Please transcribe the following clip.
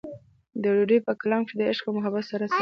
د دوي پۀ کلام کښې د عشق و محبت سره سره